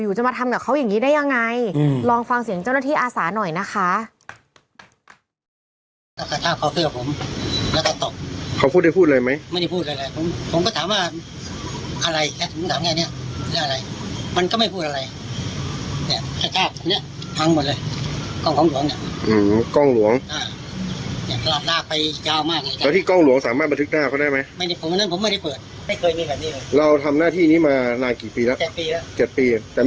จะมาทำกับเขาอย่างนี้ได้ยังไงลองฟังเสียงเจ้าหน้าที่อาสาหน่อยนะคะ